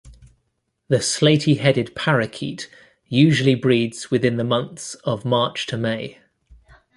The slaty-headed parakeet usually breeds within the months of March-May.